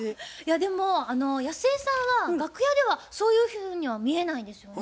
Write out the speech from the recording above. でもやすえさんは楽屋ではそういうふうには見えないですよね。